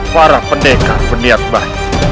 para pendekar berniat baik